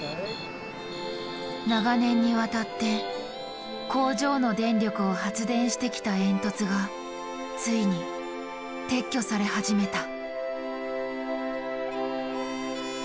長年にわたって工場の電力を発電してきた煙突がついに撤去され始めた。